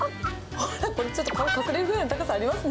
ちょっと顔が隠れるくらいの高さありますね。